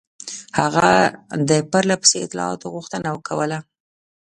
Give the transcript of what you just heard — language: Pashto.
هغه د پرله پسې اطلاعاتو غوښتنه کوله.